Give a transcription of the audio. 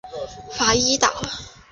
法伊岛。